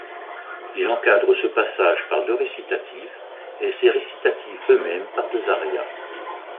Il encadre ce passage par deux récitatifs et ces récitatifs eux-mêmes par deux arias.